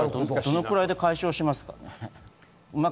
どれくらいで解消しますか？